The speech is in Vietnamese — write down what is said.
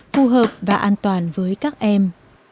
phù hợp và an toàn với các em